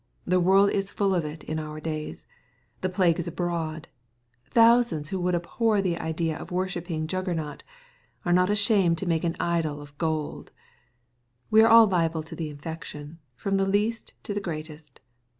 The world is full of it in our days, The^j)lague is abroad. Thousands who would abhor the idea of wor shipping Juggernaut, are not ashamed to make an idol of gold. We are all liable to the infection, from the least to the greatest.